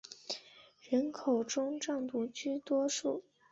人口中藏族居多数。